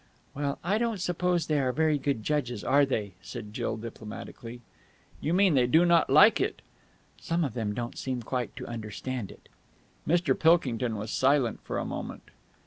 "Well, I don't suppose they are very good judges, are they?" said Jill diplomatically. "You mean they do not like it?" "Some of them don't seem quite to understand it." Mr. Pilkington was silent for a moment.